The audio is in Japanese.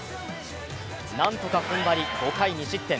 何とか踏ん張り、５回２失点。